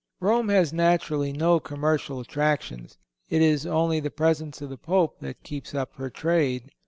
Rome has naturally no commercial attractions. It is only the presence of the Pope that keeps up her trade.